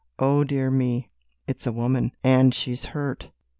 "O dear me! It's a woman, and she's hurt!"